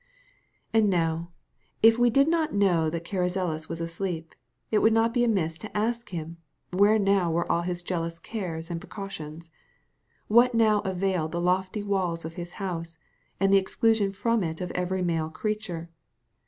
And now, if we did not know that Carrizales was asleep, it would not be amiss to ask him, where now were all his jealous cares and precautions? What now availed the lofty walls of his house, and the exclusion from it of every male creature?